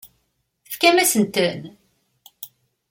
Tefkamt-asent-ten?